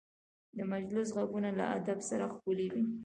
د مجلس غږونه له ادب سره ښکلي وي